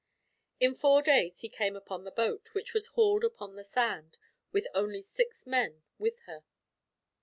In four days he came upon the boat, which was hauled upon the sand, with only six men with her.